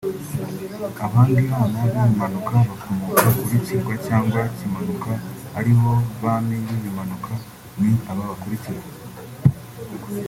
Abandi bana b’Ibimanuka bakomoka kuri Kigwa cyangwa Kimanuka (ari bo Bami b’Ibimanuka) ni aba bakurikira